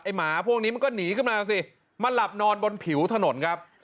หมาพวกนี้มันก็หนีขึ้นมาสิมาหลับนอนบนผิวถนนครับ